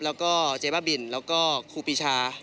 แล้วก็เจ๊บ้าบินแล้วก็ครูปีชา